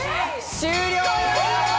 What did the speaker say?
終了！